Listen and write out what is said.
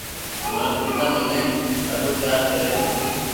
مارو پيتا مني ڌاڌو پيار ڪري ھي